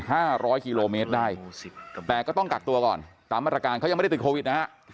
ร้อยกิโลเมตรได้แต่ก็ต้องกักตัวก่อนตามมาตรการเขายังไม่ได้ติดโควิดนะฮะ